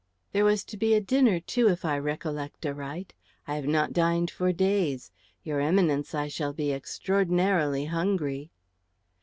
"There was to be a dinner, too, if I recollect aright. I have not dined for days. Your Eminence, I shall be extraordinarily hungry."